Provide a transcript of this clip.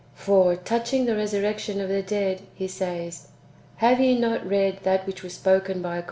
" For, touching the resurrection of the dead," He says, " have ye not read that which was spoken by 1 Epli.